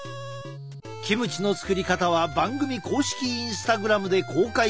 キムチの作り方は番組公式インスタグラムで公開中。